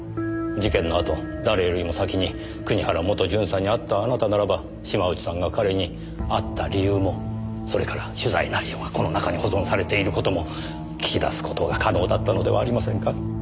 事件のあと誰よりも先に国原元巡査に会ったあなたならば島内さんが彼に会った理由もそれから取材内容がこの中に保存されている事も聞き出す事が可能だったのではありませんか？